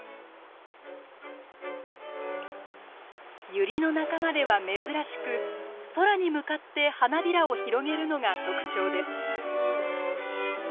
ユリの仲間では珍しく空に向かって花びらを広げるのが特徴です。